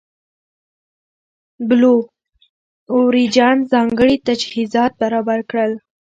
بلو اوریجن ځانګړي تجهیزات برابر کړل.